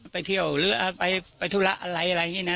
ไปเที่ยวหรือไปธุระอะไรอะไรอย่างนี้นะ